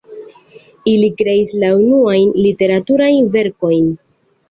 Ili kreis la unuajn literaturajn verkojn.